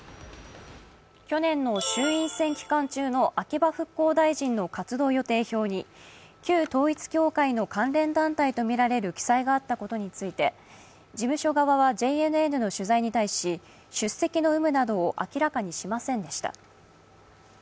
去年の衆院選期間中の秋葉復興大臣の活動予定表に旧統一教会の関連団体とみられる記載があったことについて事務所側はＪＮＮの取材に対し、出席の有無などを明らかにしませんでした。